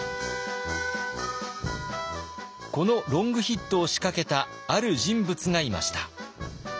このロングヒットを仕掛けたある人物がいました。